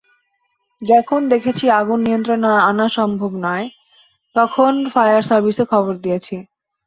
যখন দেখেছি আগুন নিয়ন্ত্রণে আনা সম্ভব না, তখন ফায়ার সার্ভিসে খবর দিয়েছি।